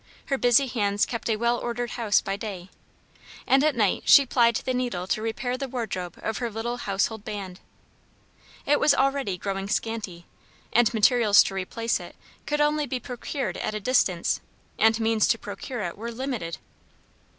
Her busy hands kept a well ordered house by day, and at night she plied the needle to repair the wardrobe of her little household band. It was already growing scanty, and materials to replace it could only be procured at a distance, and means to procure it were limited.